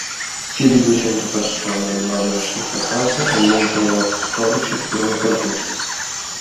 Più di duecento persone rimasero senza casa e molti negozi storici furono perduti.